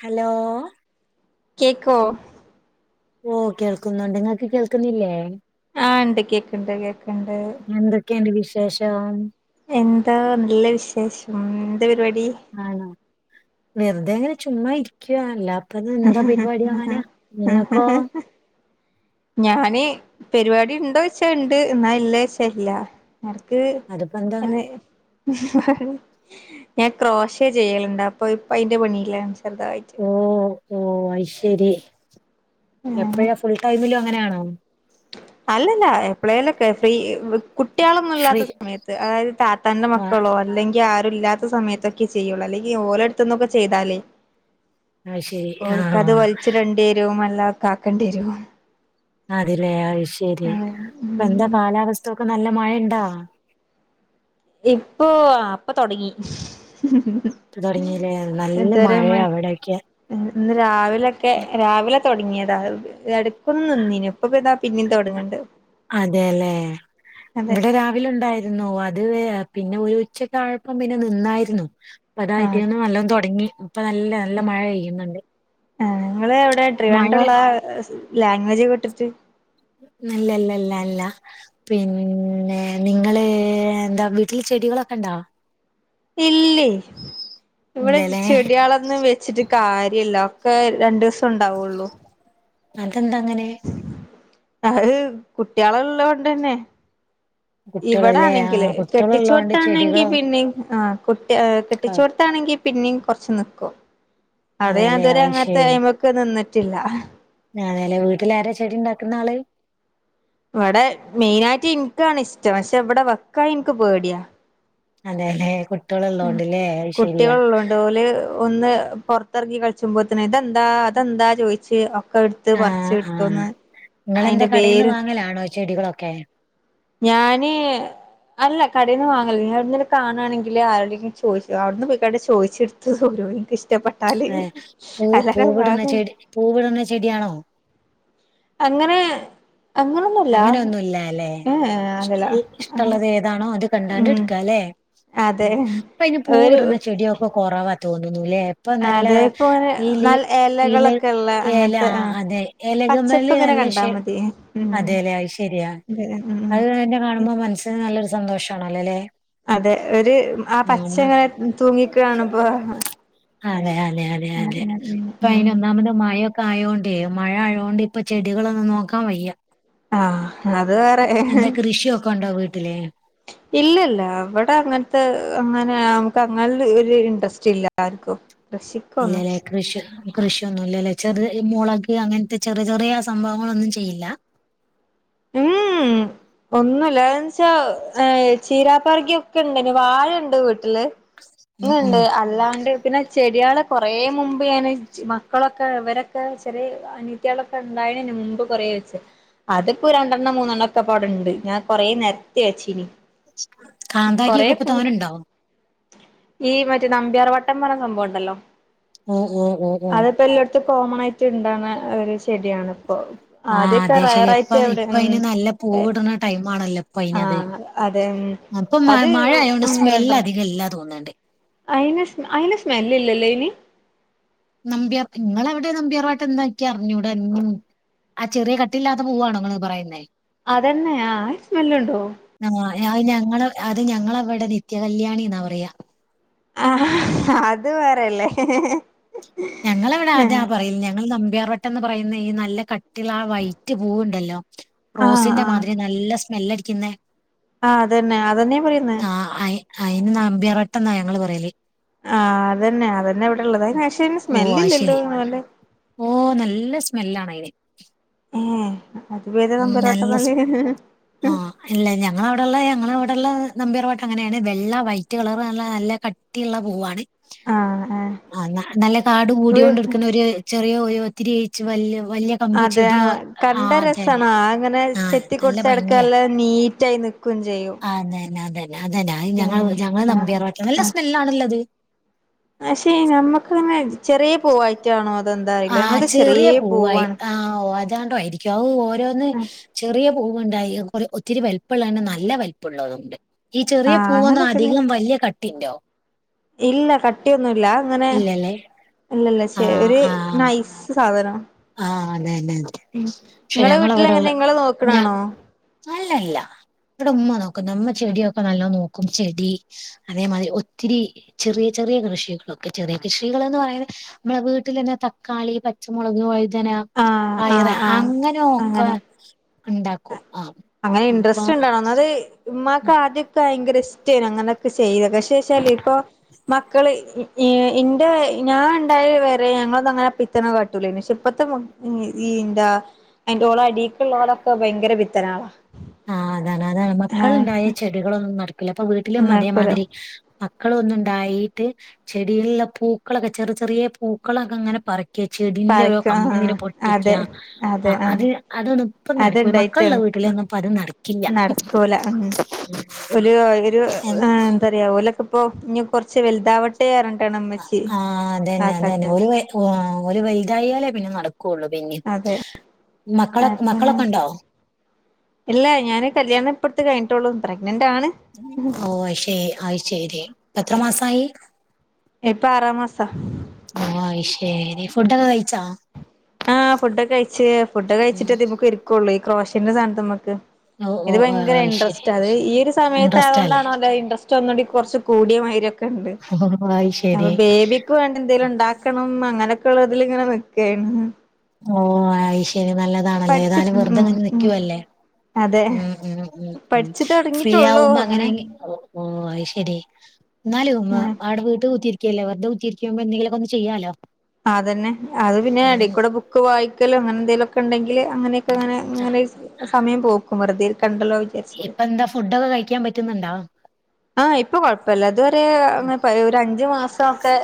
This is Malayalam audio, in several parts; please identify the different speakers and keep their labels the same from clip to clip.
Speaker 1: ഹലോ
Speaker 2: കേക്കോ
Speaker 1: ഓ കേൾക്കുന്നുണ്ട് ങ്ങൾക്ക് കേൾക്ക്ന്നില്ലേ
Speaker 2: ആഹ് ണ്ട് കേക്ക്ണ്ട് കേക്ക്ണ്ട്
Speaker 1: ക്കെന് വിശേഷം
Speaker 2: എന്താ നല്ല വിശേഷം എന്താ പര് വാടി.
Speaker 1: ആണോ വെർതെങ്ങനെ ചുമ്മാ ഇരിക്കുവാ അല്ലാപ്- പ്പതെന്താ പരിപാടി അങ്ങാനാ ങ്ങക്കൊ
Speaker 2: ഞാന് പരിപാടി ഉണ്ടോ ച്ചാ ഇണ്ട് എന്നാ ഇല്ലാച്ചാ ഇല്ലാ. ർക്ക്
Speaker 1: അതിപ്പോ എന്താ
Speaker 2: [unintelligible] ഞാൻ ക്രോഷേ ചെയ്യല്ണ്ട് അപ്പൊ ഇപ്പൊ അയ്ന്റെ പണീലാ ചെർതായിട്ട്
Speaker 1: ഓ ഓ അയ്ശരി
Speaker 2: ഏഹ്
Speaker 1: എപ്പഴാ ഫുൾ ടൈമിലും അങ്ങനെ ആണോ
Speaker 2: അല്ലല്ല എപ്പളേലൊക്കെ ഫ്രീ വ് കുട്ടികളൊന്നും ഇല്ലാത്ത
Speaker 1: ഫ്രീ
Speaker 2: സമയത്ത് അതായത് താത്താന്റെ
Speaker 1: ആ
Speaker 2: മക്കളോ അല്ലെങ്കി ആരും ഇല്ലാ സമയത്തൊക്കെ ചെയ്യുള്ളൂ അല്ലങ്കി ഓലോടത്തൊന്നൊക്കെ ചെയ്താലേ
Speaker 1: അയ്ശരി ആ
Speaker 2: ഓൽക്കത് വലിച്ച് രണ്ടേരും അല്ലാ കാക്കണ്ടി വരും
Speaker 1: അതെലേ അയ്ശരി ഇപ്പൊന്താ കാലാവസ്ഥൊക്കെ നല്ല മഴയിണ്ടാ
Speaker 2: ഇപ്പൊ അപ്പൊ തൊടങ്ങി
Speaker 1: ഇപ്പ തുടങ്ങില്ലേ നല്ല
Speaker 2: ഇതുവരെ
Speaker 1: മഴയ
Speaker 2: മഴ
Speaker 1: ഇവിടൊക്കെ
Speaker 2: ഇന്ന് രാവിലൊക്കെ രാവിലെ തുടങ്ങിയതാ എടക്കും നിന്നിനു ഇപ്പപിന്ന പിന്നേം തുടങ്ങണ്ട്
Speaker 1: അതെല്ലേ ഇവിടെ രാവിലെ ഉണ്ടായിരി നോ അത് പിന്നെ ഒരു ഉച്ചക്ക് ആഴപ്പം പിന്നെ നിന്നാരുന്നു അതാ
Speaker 2: ആഹ്
Speaker 1: ഐറ്റിയെന്നും വല്ലോം തുടങ്ങി ഇപ്പ നല്ല നല്ല മഴ പെയ്യുന്നുണ്ട്
Speaker 2: ആ നിങ്ങള് എവിടെ
Speaker 1: മഴ
Speaker 2: ട്രിവാൻഡ്രിലാ ലാഗ്വേജ് കേട്ടിട്ട്
Speaker 1: നില്ലല്ലല്ല അല്ല പിന്നെ നിങ്ങള് എന്താ വീട്ടില് ചെടികളൊക്കെണ്ടാ
Speaker 2: ഇല്ലേ ഇവിടെ
Speaker 1: ഇല്ലല്ലേ
Speaker 2: ചെടികളൊന്ന് വെച്ചിറ്റ് കാര്യയില്ല ഒക്കെ രണ്ടുസം
Speaker 1: അതെന്താ അങ്ങനെ
Speaker 2: അത് കുട്ടികള് ഉള്ളോണ്ട് തന്നെ ഇവിടെ
Speaker 1: കുട്ടികളല്ലേ ആ
Speaker 2: ആണെങ്കില്
Speaker 1: കുട്ടികള് ഉള്ളോണ്ട്
Speaker 2: കെട്ടിച്ചോട്ത്താണെങ്കി
Speaker 1: ചെടികളും
Speaker 2: പിന്നേം ആ കുട്ടി കെട്ടി
Speaker 1: ക-
Speaker 2: ച്ചോട്ത്താണെങ്കി പിന്നേം കുറച്ച് നിക്കും അവിടെ
Speaker 1: അതെല്ലേ
Speaker 2: യാതുവരെ
Speaker 1: അത്
Speaker 2: അങ്ങത്തെ എമ്മ ക്ക് നിന്നിട്ടില്ല
Speaker 1: ആണ്ല്ലെ വീട്ടില് ആരാ ചെടിയുണ്ടാക്കുന്ന ആള്
Speaker 2: ഇവിടെ മെയിനായിറ്റ് എൻക്കാണ് ഇഷ്ടം പക്ഷെ ഇവിടെ വെക്കാൻ എനിക്ക് പേടിയാ
Speaker 1: അതെല്ലേ കുട്ടി
Speaker 2: ഉം കുട്ടികള് ഉള്ളോണ്ട് ഓല് ഒന്ന് പൊറത്തിറങ്ങി കളിച്ചുമ്പോത്ത്ന് ഇതെന്താ അതെന്താ ചോയിച്ച് ഒക്കെ എടുത്ത് പറിച്ച്
Speaker 1: ആഹ്
Speaker 2: കിട്ടുന്ന് അയിന്റെ വേര്
Speaker 1: ങ്ങലാണോ ചെടികളൊക്കെ
Speaker 2: ഞാന് അല്ല കടേന്നു വാങ്ങല് നിങ്ങളിങ്ങനെ കാണാണെങ്കില് ആരുടെക്ക് ചോദിക്കും അവിടന്ന് പൊയികണ്ട് ചോയിച്ചെടു പോരും എൻക്കിഷ്ടപ്പെട്ട
Speaker 1: ഏ പൂ പൂവിടുന്ന ചെടി പൂവിടുന്ന ചെടി ആണോ
Speaker 2: അങ്ങനെ അങ്ങ്ണ
Speaker 1: അങ്ങനെ ഒന്നും ഇല്ലല്ലേ
Speaker 2: അല്ലല്ല
Speaker 1: ഇഷ്ട്ടള്ളത്
Speaker 2: അങ്ങനെ
Speaker 1: ഇഷ്ടുള്ളത് ഏതാണോ അത് കണ്ടാണ്ട്
Speaker 2: ഉം
Speaker 1: എടുക്കാല്ലേ
Speaker 2: അതെ
Speaker 1: ഉം ഇപ്പ അയിന് പൂ
Speaker 2: ഒരു
Speaker 1: വിടുന്ന ചെടിയൊക്കെ കൊറവാ തോന്നുന്നുല്ലേ ഇപ്പൊ നല്ല
Speaker 2: അതെ ഇപ്പൊ അങ്ങനെ
Speaker 1: ഈലി
Speaker 2: നല്ല
Speaker 1: ഈല
Speaker 2: എലകളൊക്കെ ഉള്ള
Speaker 1: എലാ
Speaker 2: അങ്ങനത്തെ ആ
Speaker 1: അതെ ഏലകമ്മല്
Speaker 2: പച്ചപ്പ് ഇങ്ങനെ
Speaker 1: നല്ല
Speaker 2: കണ്ടാ
Speaker 1: ശേ
Speaker 2: മതി ഉം
Speaker 1: അതെല്ലെ അയ് ശരിയാ
Speaker 2: അതെ ഉം
Speaker 1: അത് തന്നെ കാണുമ്പോ മനസ്സിന് നല്ലൊരു സന്തോഷമാണ് അല്ലല്ലേ
Speaker 2: അതെ ഒരു ആ പച്ചങ്ങനെ തൂങ്ങിക്കാണമ്പോ
Speaker 1: അതെ അതെ അതെ അതെ ഇപ്പ
Speaker 2: ഉം ഉം
Speaker 1: അതിനൊന്നാമത് മയയോ കായോണ്ടേ മഴ ആയതോണ്ട് ഇപ്പൊ ചെടികളൊന്നും നോക്കാൻ വയ്യാ
Speaker 2: ആ അത് വേറെ
Speaker 1: കുഷി ഒക്കെ ഉണ്ടോ വീട്ടില്
Speaker 2: ഇല്ലല്ല ഇവിടെ അങ്ങനത്തെ അങ്ങനെ ഞമക്ക് അങ്ങല് ഒരു ഇൻട്രസ്റ്റ് ഇല്ല ആർക്കും കൃഷിക്കൊന്നും
Speaker 1: ഇല്ലല്ലേ കൃഷി കൃഷിയൊന്നും ഇല്ല ലെ ചെറ് മോളക് അങ്ങൻത്തെ ചെറ്ചെറിയ സംഭവങ്ങളൊന്നും ചെയ്യില്ല
Speaker 2: ഒന്നും ഇല്ലാ വെച്ചാ ചീരാപ്പർങ്കി ഒക്കെ ഇണ്ടന്ന് വാഴണ്ട് വീട്ട്ല്
Speaker 1: ഉം ഉം
Speaker 2: ങ്ങ്ണ്ട് അല്ലാണ്ട് പിന്നെ ചെടിയള് കൊറേ മുമ്പ് ഞാന് മക്കളൊക്കെ ഇവരൊക്കെ ചെറിയ അനിയത്യാളൊക്കെ ഇണ്ടായന് മുമ്പ് കൊറേ വെച്ച് അത് പ്പൊ രണ്ടെണ്ണം മൂന്നെണ്ണം ഒക്കെ പ്പവടണ്ട് ഞാൻ കൊറേ നെര്ത്തി വെച്ചിനി കൊറേ
Speaker 1: കാന്താരിയൊക്കെ ഇപ്പൊ തോനണ്ടോ
Speaker 2: ഈ മറ്റേ നമ്പ്യാർ വട്ടം പർഞ്ഞ സംഭവം ഉണ്ടല്ലോ
Speaker 1: ഓ ഓ ഓ ഓ
Speaker 2: അത്പ്പ എല്ലോട്ത്തും കോമണായിട്ട് ഇണ്ടാവ്ണ ഒരു ചെടിയാണ് പ്പൊ ആദ്യൊക്കെ റയാറായി
Speaker 1: പ്പ ഇപ്പ അഴിന് നല്ല പൂവ്ട്ണ ടൈമാണല്ലോ
Speaker 2: ആഹ് അതെ ഉം
Speaker 1: [unintelligible] അപ്പം മ
Speaker 2: അത്
Speaker 1: മഴ ആയോണ്ട് സ്മെല്ല് അധികം ഇല്ലാ തോന്ന്ണ്ട്
Speaker 2: അഴിന് സ്മെ അയിന് സ്മെല്ല്ല്ലല്ലോ അയ്ന്
Speaker 1: നമ്പ്യാർ ഇങ്ങളവ്ടെ നമ്പ്യാർവട്ടം എന്താ ക്കി അർഞ്ഞൂട ആ ചെറിയ കട്ടില്ലാത്ത പൂവാണൊങ്ങള് പറയുന്നേ
Speaker 2: അതന്നെ ആ സ്മെല്ലുണ്ടോ
Speaker 1: ആ അഹ് ഞങ്ങളെ അത് ഞങ്ങളവടെ നിത്യകല്യാണി ന്നാ പറയാ
Speaker 2: ആ അത് വേറെല്ലേ
Speaker 1: ഞങ്ങളവടെ അതാ പറയുന്നെ ഞങ്ങൾ നമ്പ്യാർവട്ടന്ന് പറയുന്നെ ഈ നല്ല കട്ടിള്ള ആ വൈറ്റ് പൂവ്ണ്ടല്ലോ
Speaker 2: ആഹ്
Speaker 1: റോസിന്റെ
Speaker 2: ആഹ്
Speaker 1: മാതിരി നല്ല സ്മെല്ലടിക്കുന്നേ
Speaker 2: ആഹ് അതന്നെ അതന്നെയാ പറയുന്നേ
Speaker 1: ആ അഴി അയിന് നമ്പ്യാർ വട്ടം ന്നാ ഞങ്ങള് പറയല്
Speaker 2: ആ അതന്നെ അതന്നെ ഇവടെള്ളത് അയ്ന് പക്ഷേ അയ്ന്
Speaker 1: ഓ
Speaker 2: സ്മെല്ല്
Speaker 1: അത്
Speaker 2: ഇല്ലല്ലോ
Speaker 1: ശരി
Speaker 2: [unintelligible]
Speaker 1: ഓ നല്ല സ്മെല്ലാണ് അയിന്
Speaker 2: ഏ അത് എത്
Speaker 1: ഉം നല്ല സ്
Speaker 2: [unintelligible]
Speaker 1: ആ ഇല്ല ഞങ്ങള അവടള്ളെ ഞങ്ങളെ അവടള്ളെ നമ്പിയാർവട്ടം അങ്ങനെയാണ് വെള്ള വൈറ്റ് കളറ്ള്ള നല്ല ക ട്ടിള്ള പൂവാണ്
Speaker 2: ആഹ്
Speaker 1: ആ നല്ല കാട് കൂടിയോണ്ട്
Speaker 2: ആഹ്
Speaker 1: എടുക്ക്‌ന്ന ഒരു ചെറിയ ഒരു ത്തിരിയെചു വല്യ വല്യ കമ്പ്
Speaker 2: അതെ ആ
Speaker 1: ചെടിയോ ആ
Speaker 2: കണ്ട
Speaker 1: അതന്നെ
Speaker 2: രസാണ് ആ അങ്ങനെ
Speaker 1: ആ
Speaker 2: ചെത്തി
Speaker 1: നല്ല
Speaker 2: കൊടുത്ത എടക്ക്
Speaker 1: ഭംഗിയാ
Speaker 2: നല്ല നീറ്റായി നിക്കും ചെയ്യും
Speaker 1: അതന്നെ അതന്നെ അതന്നെ അ ഞങ്ങള
Speaker 2: പിന്നെ
Speaker 1: ഞങ്ങളെ
Speaker 2: ആ
Speaker 1: നമ്പിയാർ വട്ടം നല്ല സ്മെല്ലാണല്ലത്
Speaker 2: പക്ഷെ നമ്മക്ക്‌ങ്ങ ചെറിയ പൂവായിട്ടാണോ അതെന്താ
Speaker 1: ആ
Speaker 2: അറിയില്ല ഞങ്ങൾത് ചെറ്യേ പൂവാണ്
Speaker 1: താണ്ടോ ആയിരിക്കും അവ് ഓരോന്ന് ചെറിയ പൂവുണ്ടായി ഒര് ഒത്തിരി വൽപ്പള്ളാണ് നല്ല വൽപ്പള്ളതുണ്ട് ഈ
Speaker 2: ആ
Speaker 1: ചെറിയ പൂവൊന്നും
Speaker 2: അങ്ങനൊക്കെണ്
Speaker 1: അധികം വല്ല്യ കട്ടിണ്ടോ
Speaker 2: ഇല്ല കട്ടിയൊന്നുല്ല
Speaker 1: ഇല്ല ലെ
Speaker 2: ഇല്ലല്ലെ ശെ ഒരു നൈസ് സാധനം
Speaker 1: ആ അതന്നെ
Speaker 2: ഉം
Speaker 1: പക്ഷെ
Speaker 2: ഇങ്ങളെ വീട്ടില് എങ്ങനെ
Speaker 1: ഞങ്ങളവിടെയുള്ള
Speaker 2: ഇങ്ങള്
Speaker 1: ഞാ
Speaker 2: നോക്ക്ണാണോ
Speaker 1: അല്ലല്ല ഇവട ഉമ്മ നോക്കുന്ന മ്മ ചെടിയൊക്കെ നല്ലോ നോക്കും ചെടി അതേമാതിരി ഒത്തിരി ചെറിയ ചെറിയ കൃഷികളൊക്കെ ചെറിയ കൃഷികളന്ന് പറയുന്ന മ്മളെ വീട്ടിലന്നെ തക്കാളി പച്ചമുളക് വഴുതന
Speaker 2: ആ ആ
Speaker 1: പയറ്
Speaker 2: ആ
Speaker 1: ഹങ്ങനെ നോക്കാ
Speaker 2: അങ്ങനെ അങ്ങനെ ഇൻട്രറസ്റ്റ് ഇണ്ടാവണം ഒന്നാമത് ഉമ്മാക്ക് ആദ്യ ഭയങ്കര ഇഷ്ടേനി അങ്ങനെക്കെ ചെയ്തത് പക്ഷെ ച്ചാല് ഇപ്പൊ മക്കള് ഈ ഇന്റെ ഞാൻ ഇണ്ടായ വരെ ഞങ്ങളൊന്നും അങ്ങനെ പിത്തന കാട്ടൂലേനി പക്ഷേ ഇപ്പത്തെ ഈ ന്റ അയി ഓളെ അടീക്കുള്ളോലൊക്കെ ഭയങ്കര പിത്തനളാ
Speaker 1: ആ അതാണ് അതാണ് മക്കള് ണ്ടായ ഈ ചെടികളൊന്നും നടക്കില്ല അപ്പൊ വീട്ടില് മ്മ
Speaker 2: നടക്കൂല
Speaker 1: അതേമാതിരി മക്കള് ഒന്ന് ഇണ്ടായിട്ട് ചെടിയിൽള്ള പൂക്കളൊക്കെ ചെറ് ചെറീയ പൂക്കളൊക്കെ ങ്ങനെ പറി ചെടിന്റോരോ
Speaker 2: പരക്ക
Speaker 1: കമ്പ്
Speaker 2: ആഹ്
Speaker 1: ഇങ്ങനെ പൊട്ടിക്ക
Speaker 2: അതെ അതെ ആഹ്
Speaker 1: അതി അതൊന്നു ഇപ്പം നട്ക്കൂല മക്കൾള്ള
Speaker 2: അത്ണ്ടായിട്ടാണ്
Speaker 1: വീട്ടിലന്നും
Speaker 2: നടക്കൂല ഒരു ഒരു
Speaker 1: ആഹ്
Speaker 2: എന്താ പറയാ ഓലൊക്കെ ഇപ്പോ ഇനി കുറച്ച് വലുതാവട്ട ട്ടേ അറ്ണ്ടണം
Speaker 1: ആഹ് അതന്നെ അതന്നെ ഒരു ഓ ഒരു വൈുതായാലേ പിന്നെ നടക്കുള്ളൂ പിന്നെ
Speaker 2: അതെ
Speaker 1: മക്കളോ
Speaker 2: അപ്പന്നെ
Speaker 1: മക്കളൊക്കെ ഉണ്ടോ
Speaker 2: ഇല്ല ഞാന് കല്യാണം ഇഴത്തു കഴിഞ്ഞട്ടുള്ളൂ പ്രഗ്നന്റ് ആണ്
Speaker 1: ഓ ശെ ആയി ശരി എത്ര മാസായി
Speaker 2: ഇപ്പൊ ആറ് മാസ
Speaker 1: ആഹ് ശെരി ഫുഡൊക്കെ കഴിച്ചാ
Speaker 2: ആഹ് ഫുഡ്ൊക്കെ കഴച്ച് ആഹ് ഫുഡൊക്ക
Speaker 1: ഉം
Speaker 2: കഴിച്ചിട്ട് നമക്ക് ഇര്ക്കുള്ളൂ ക്രോഷൻന്റെ സാധൻ നമുക്ക്
Speaker 1: ഓ ഓ
Speaker 2: ഇത്
Speaker 1: ആ
Speaker 2: ഭയങ്കര
Speaker 1: അയ്ശരി
Speaker 2: ഇൻട്രസ്റ്റ് അത് ഈ ഒരു സമയത്ത്
Speaker 1: ഇൻട്രസ്റ്റ് ആല്ലേ
Speaker 2: ആയതുകൊണ്ടാണോ അല്ല ഇട്രസ്റ്റ് ന്നുകടി കുറച്ച് കൂടിയ മാര്യൊക്കെ ഉണ്ട്
Speaker 1: ആഹ്
Speaker 2: അപ്പൊ ബേബിക്ക് വേണ്ട എന്തേലും ഉണ്ടാക്കണം അങ്ങനെയൊക്കെ ഉള്ളതില് ഇങ്ങനെ നിക്കേണ്
Speaker 1: ഓ ഐശ്ശര്യ നല്ലതാണല്ലേ
Speaker 2: പഠിച്ച്
Speaker 1: ഏതായാലും
Speaker 2: ഉം
Speaker 1: വെറുതെങ്ങനെ
Speaker 2: ഉം
Speaker 1: നൽക്കുവല്ലേ
Speaker 2: അതെ
Speaker 1: ഉം ഉം ഉം ഉം
Speaker 2: പഠിച്ചു
Speaker 1: ഫ്രീ
Speaker 2: തുടങ്ങിട്ടുള്ളൂ
Speaker 1: ആവുമ്പോ അങ്ങനെ ഓ അയ്ശെരി എന്നാലും
Speaker 2: ഉം
Speaker 1: ആവിടെ വീട്ട് കുത്തി ത്ലേ വെർതെക്കുത്തിരിക്കുമ്പോ എന്തെഒന്ന്ങ്കിലൊക്കെ ചെയ്യാലോ
Speaker 2: അതന്നെ അത് പിന്നെ
Speaker 1: ഉം
Speaker 2: അടിക്കൂടെ ബുക്ക് വായിക്കലോ അങ്ങനെ എന്തേങ്കിലുംക്കെ ഉണ്ടെങ്കില് അങ്ങനെയൊക്കെ അങ്ങനെ
Speaker 1: ആ,
Speaker 2: അങ്ങനെ സമയം പോക്കും വെറുതെ ഇരികണ്ടല്ലോക്കണ്ടല്ലൊ
Speaker 1: ഇപ്പൊ എന്താ ഫുഡൊക്കെ കഴിക്കാൻ പറ്റുന്നുണ്ടോ
Speaker 2: ആഹ് ഇപ്പൊ കൊഴപ്പല്ല ഇത്വരെ ഒരു അഞ്ചു മാസൊക്കെ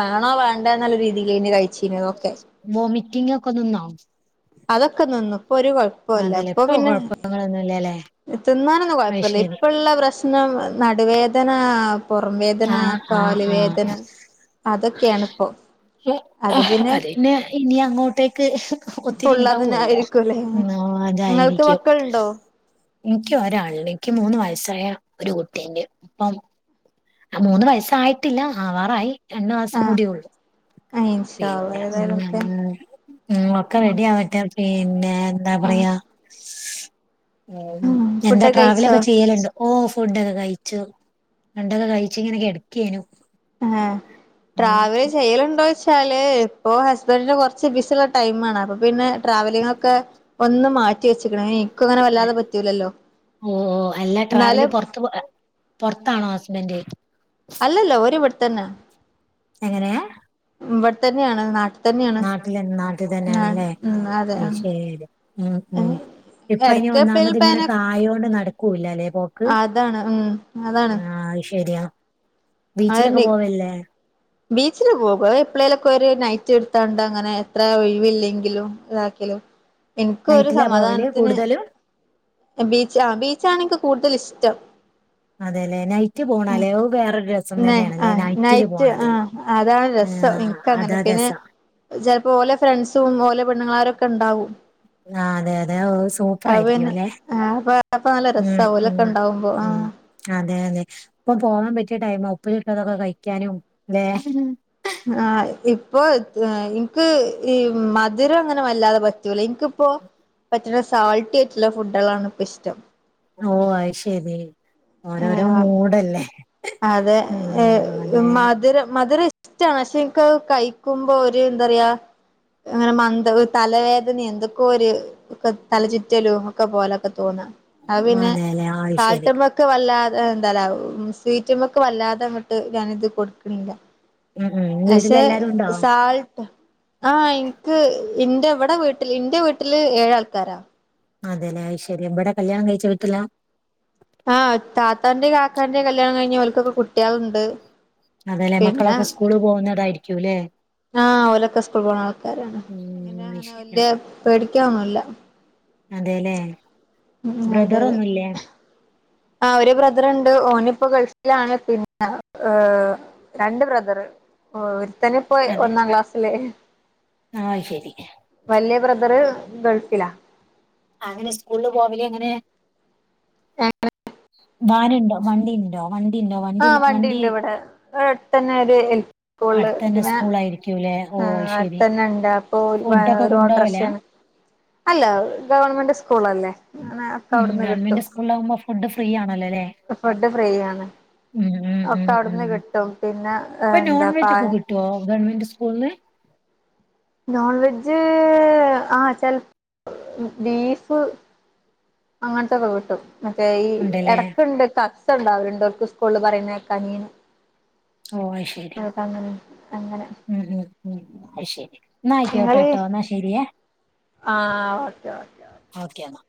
Speaker 2: വേണോ വേണ്ടേ എന്നുള്ള രീതിലേന് കഴിച്ചീനതൊക്കെ
Speaker 1: വോമിറ്റിംഗ് ഒക്കെ നിന്നോ
Speaker 2: അതൊക്കെ നിന്നു ഇപ്പൊ ഒരുകൊ കുഴപ്പല്ലേ
Speaker 1: അതെല്ലേ
Speaker 2: അപ്പൊ
Speaker 1: ഇപ്പൊ
Speaker 2: പിന്നെ
Speaker 1: കൊഴപ്പങ്ങളൊന്നുമില്ലല്ലേ
Speaker 2: തിന്നാനൊന്നും കുഴപ്പല്ല
Speaker 1: അയ്ശരി
Speaker 2: ഇപ്പള്ള പ്രശ്ന ന നടുവേദനാ പുറം വേദന
Speaker 1: ആഹ് ആഹ്
Speaker 2: കാല്
Speaker 1: ആഹ്
Speaker 2: വേദന അതൊക്കെയാണ് ഇപ്പൊ
Speaker 1: അതെ ഇനി അങ്ങോട്ടേക്ക് അഹ് ഒത്തിരി
Speaker 2: ഫുള്ള് അതന്നെ
Speaker 1: ഉണ്ടാവല്ലോ
Speaker 2: ആയിരിക്കുംല്ലേ
Speaker 1: ആഹ്
Speaker 2: നിങ്ങൾക്ക്
Speaker 1: അതായിരിക്കും
Speaker 2: മക്കളുണ്ടോ
Speaker 1: എനിക്ക് ഒരാള് എനിക്ക് മൂന്ന് വയസ്സായ ഒരു കുട്ടിണ്ട് ഇപ്പം മൂന്ന് വയസായിട്ടില്ല ആവാറായി രണ്ട് മാസം
Speaker 2: ആഹ്
Speaker 1: കൂടിയുള്ളു
Speaker 2: ആഹ് ഇൻഷാ അള്ളാ
Speaker 1: പിന്നെ ഉം
Speaker 2: ഏതായാലും ഒക്കെ
Speaker 1: ഉം ഒക്കെ റെഡി ആവട്ടെ പിന്നെ എന്താ
Speaker 2: ആഹ്
Speaker 1: പറയാ
Speaker 2: ഉം
Speaker 1: എന്താ
Speaker 2: ഫുഡൊക്കെ കഴിച്ചോ
Speaker 1: ട്രാവലൊക്കെ ചെയ്യലുണ്ടോ ഓ ഫുഡൊക്കെ കഴിച്ചു ഫുണ്ടൊക്കെ കഴിച്ച ഇങ്ങനെക്കെടക്കേനു
Speaker 2: ആഹ് ട്രാവല് ചെയ്യലുണ്ടോ ചോയ് ചാല് ഇപ്പോ ഹസ്ബൻഡിന്റെ കുറച്ച് ബിസുള്ള ടൈം ആണ് അപ്പൊ പിന്നെ ട്രാവലിങ്ങ് ഒക്കെ ഒന്ന് മാറ്റി വെച്ച്ക്ക്ണ് അങ്ങനെ വല്ലാതെ പറ്റൂലല്ലോ
Speaker 1: ഓഹ് അല്ലാ ട്രാവല്
Speaker 2: എന്നാലും
Speaker 1: പുറത്ത് പുറത്താണോ ഹസ്ബൻഡ്
Speaker 2: അല്ലല്ല ഓര് ഇവട്ത്തന്നെ
Speaker 1: എങ്ങനെ
Speaker 2: ഇവിടെ തന്നെയാണ് നാട്ട
Speaker 1: നാട്ടില നാട്ടിൽ തന്നെയാണല്ലേ
Speaker 2: ഉം അതെ ആ
Speaker 1: അത് ശെരി ഉം ഉം ഇപ്പ ഇനി
Speaker 2: എടക്ക്
Speaker 1: ഒന്നാമത്
Speaker 2: എപ്പഴേലും
Speaker 1: ഇങ്ങനെ
Speaker 2: പ്ലാന്
Speaker 1: കായോണ്ട് നടക്കൂല്ലല്ലേ പോക്ക്
Speaker 2: അതാണ് ഉം അതാണ്
Speaker 1: ആഹ് അത് ശരിയാ ബീച്ചിലൊക്കെ
Speaker 2: അതന്നെ
Speaker 1: പോവല്ലേ
Speaker 2: ബീച്ചില് പോകും എപ്പോഴേലൊക്കെ ഒരു നൈറ്റ് എടുത്താണ്ട് അങ്ങനെ അത്ര ഒഴിവില്ലെങ്കിലും ഇതാക്കലും ഇൻക്ക് ഒരു
Speaker 1: നൈറ്റിലാ പോവല്
Speaker 2: സമാധാനത്തിന്
Speaker 1: കൂടുതലും
Speaker 2: ബീച്ച് ആഹ് ബീച്ച് ആണ് എനിക്ക് കൂടുതൽ ഇഷ്ടം
Speaker 1: അതെ അല്ലെ നൈറ്റ് പോണാലേ വേറൊരു രസം
Speaker 2: ന ആ
Speaker 1: തന്നെയാണല്ലേ നൈറ്റില്
Speaker 2: നൈറ്റ്
Speaker 1: പോണത്
Speaker 2: ആഹ അതാണ് രസം
Speaker 1: ആഹ്
Speaker 2: ഇനക്ക് അങ്ങനെ
Speaker 1: അതാ
Speaker 2: പിന്നെ
Speaker 1: രസം
Speaker 2: ചിലപ്പോ ഓലെ ഫ്രണ്ട്സും ഓലെ പെണ്ണുൾരൊക്കെ ഉണ്ടാവും
Speaker 1: ആ അതെ അതെ സൂപ്പർ
Speaker 2: അത്
Speaker 1: ആയിരിക്കോ
Speaker 2: പിന്നെ
Speaker 1: അല്ലേ
Speaker 2: ആ അപ്പ അപ്പൊ നല്ല
Speaker 1: ഉ
Speaker 2: രസാ
Speaker 1: ഉ
Speaker 2: ഓലൊക്കെ ഉണ്ടാവുമ്പോ ആ
Speaker 1: ഉ അതെ അതെ, ഇപ്പ പോവാൻ പറ്റിയ ടൈമാ, ഉപ്പിലിട്ടതൊക്കെ കഴിക്കാനും ല്ലേ?
Speaker 2: ആ ഇപ്പൊ ഇൻക്ക് ഈ മധുരം അങ്ങനെ വല്ലാതെ പറ്റൂല എൻക്കിപ്പോ പറ്റുന്ന സാൾട്ടി ആയിട്ടുള്ള ഫുഡുകളാണ് ഇപ്പ ഇഷ്ടം.
Speaker 1: ഓ അയ്ശരി ഓരോരോ മൂടല്ലേ.
Speaker 2: അതെ,
Speaker 1: ആഹ് അതെ
Speaker 2: മധുരം മധുര ഷ്ടാ പക്ഷെ ഇൻക്ക്കഴിക്കുമ്പോ ഒരു എന്താറയാ അങ്ങനെ മന്ദത തലവേദന എന്തൊക്കെയോ ഒരു ഇപ്പ തല ചുറ്റലും ഒക്കെ പോലൊക്കെ തോന്നും അതുപിന്നെ
Speaker 1: അതെല്ലെ അത്
Speaker 2: സാൾട്ട
Speaker 1: ശരി
Speaker 2: പ്പൊ വല്ലാതെ എന്താറയ സ്വീറ്റ്മ്മക്ക് വല്ലാതെങ്ങട്ട്, ഞാനത് കൊടുക്കണില്ല.
Speaker 1: ഉം ഉം
Speaker 2: അക്ഷെ
Speaker 1: വീട്ടിലെല്ലാരും ഉണ്ടോ
Speaker 2: സാൾട്ട് ആ എനിക്ക് ഇന്റെ ഇവിടെ വീട്ടിൽ ഇന്റെ വീട്ടില് ഏഴാൾക്കാരാ.
Speaker 1: അതെല്ലേ ഐശരി ഇവിടെ കല്യാണം കഴിച്ച വീട്ടിലാ?
Speaker 2: ആ താത്താന്റേം കാക്കാന്റേം കല്യാണം കഴിഞ്ഞ് ഓൾക്കൊക്കെ കുട്ടികളുണ്ട്.
Speaker 1: അതേല്ലെ,
Speaker 2: പിന്നെ
Speaker 1: മക്കളൊക്കെ സ്കൂളിൽ പോകുന്നവരായിരിക്കുംല്ലേ?
Speaker 2: ആ ഓലൊക്കെ ഇസ്കൂൾ പോണ ആൾക്കാരാണ്
Speaker 1: ഉം
Speaker 2: വിടെ
Speaker 1: അത്
Speaker 2: അങ്ങനെ
Speaker 1: ശരിയാ
Speaker 2: വെല്ല്യ പേടിക്കാനൊന്നുമില്ല.
Speaker 1: അതെല്ലേ?
Speaker 2: ഉം അതെ അതെ
Speaker 1: ബ്രദറൊന്നുംല്ലേ
Speaker 2: ആ ഒരു ബ്രദറുണ്ട് ഓനിപ്പോ ഗൾഫിലാണ് പിന്നെ എ രണ്ട് ബ്രദറ് ഓ ഒരുത്തനിപ്പോ ഒന്നാം ക്ലാസ്സില്.
Speaker 1: ആ ശരി.
Speaker 2: വല്ല്യ ബ്രദറ് ഗൾഫിലാ.
Speaker 1: അവനിസ്കൂളില് പോവലെങ്ങനെ?
Speaker 2: [unintelligible]
Speaker 1: വാനുണ്ട് വണ്ടിയുണ്ട്. ആ വണ്ടിയുണ്ടോ വണ്ടി
Speaker 2: ആഹ്
Speaker 1: വണ്ടി
Speaker 2: വണ്ടിണ്ട് ഇവിടെ അടുത്തന്നെ ഒരു എൽ പി സ്കൂളില്
Speaker 1: അടുത്തുതന്നെ
Speaker 2: പിന്നെ
Speaker 1: സ്കൂൾ ആയിരിക് ക്കുല്ലേ ഓ
Speaker 2: ആഹ്
Speaker 1: ശരി
Speaker 2: അടുത്തന്നെ ഉണ്ട് അപ്പൊ
Speaker 1: ഫുഡൊക്കെ
Speaker 2: ഒരു
Speaker 1: കൊണ്ടോവലാ?
Speaker 2: ഓട്ടോറിക്ഷയാണ് അല്ല, ഗവൺമെന്റ് സ്കൂളല്ലേ. അങ്ങനെ ഒക്കെ
Speaker 1: ഉം
Speaker 2: അവിടുന്ന് കിട്ടും
Speaker 1: ഗവൺമെന്റ് സ്കൂളിലാകുമ്പോ ഫുഡ് ഫ്രീ ആണല്ലോ അല്ലേ?
Speaker 2: ഫുഡ് ഫ്രീ ആണ്. അപ്പ
Speaker 1: ഉം
Speaker 2: അവിടുന്ന്
Speaker 1: ഉം
Speaker 2: കിട്ടും. പിന്നെ എന്താ പ
Speaker 1: ഗവർമെന്റിന്റെ സ്കൂളി?
Speaker 2: നോൺ വെജ്, ആ ചെൽ, ബീഫ്. അങ്ങനത്തെയൊക്കെ കിട്ടും ഓക്കേ ഈ
Speaker 1: ഉണ്ടല്ലേ
Speaker 2: എടക്കുണ്ട് [unintelligible] ഉണ്ടാവും ഇവർക്ക് സ്കൂളിൽ പറയുന്ന കേക്കാം [unintelligible]
Speaker 1: ഓ അയ്ശരി
Speaker 2: അങ്ങനെ അങ്ങനെ
Speaker 1: ഉം ഉം അയ്ശരി എന്നായ്ക്കോട്ടെ
Speaker 2: നിങ്ങള്
Speaker 1: കെട്ടോ എന്നാ ശരിയേ.
Speaker 2: ആ ഓക്കെ ഓക്കെ
Speaker 1: ഓക്കെ എന്നാ.